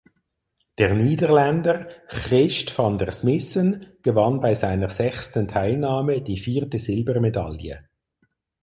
Der Niederländer Christ van der Smissen gewann bei seiner sechsten Teilnahme die vierte Silbermedaille.